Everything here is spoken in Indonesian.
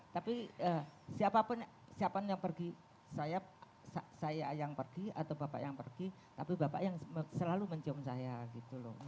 tapi siapa yang pergi saya yang pergi atau bapak yang pergi tapi bapak yang selalu mencium saya gitu loh